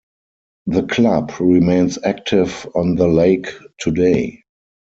The club remains active on the lake today.